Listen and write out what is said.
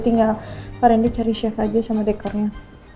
tinggal pak randy cari chef aja sama dekornya